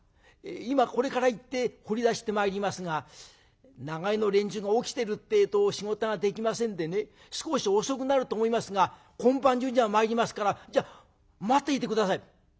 今これから行って掘り出してまいりますが長屋の連中が起きてるってえと仕事ができませんでね少し遅くなると思いますが今晩中には参りますからじゃあ待っていて下さい」。